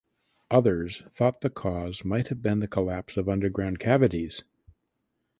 Others thought the cause might have been the collapse of underground cavities.